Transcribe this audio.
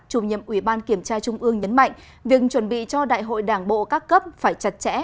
chủ nhiệm ủy ban kiểm tra trung ương nhấn mạnh việc chuẩn bị cho đại hội đảng bộ các cấp phải chặt chẽ